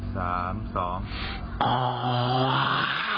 สามสอง